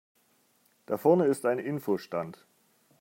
Da vorne ist ein Info-Stand.